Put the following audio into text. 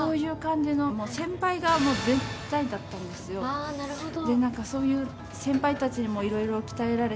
ああなるほど。